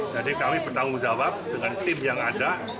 jadi kami bertanggung jawab dengan tim yang ada